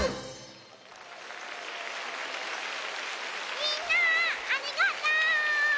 みんなありがとう！